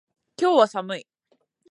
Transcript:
今日は寒い